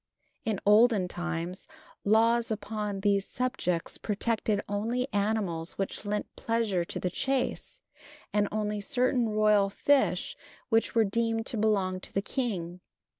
In olden times laws upon these subjects protected only animals which lent pleasure to the chase, and also certain royal fish which were deemed to belong to the king.